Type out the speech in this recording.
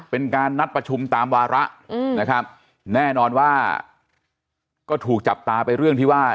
เป็นการนัดประชุมตามวาระนะครับแน่นอนว่าก็ถูกจับตาไปเรื่องที่ว่า